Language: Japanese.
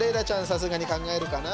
さすがに考えるかな。